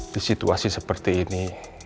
di situasi seperti ini